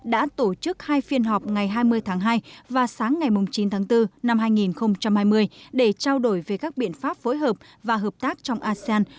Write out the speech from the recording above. đã tổ chức hai phiên họp ngày hai mươi tháng hai và sáng ngày chín tháng bốn năm hai nghìn hai mươi để trao đổi về các biện pháp phối hợp và hợp tác trong asean